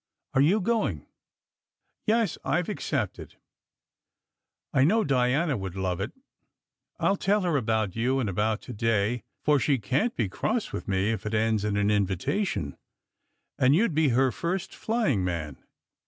Are you go ing?" "Yes, I ve accepted." " I know Diana would love it. I ll tell her about you and about to day, for she can t be cross with me if it ends in an invitation. And you d be her first flying man."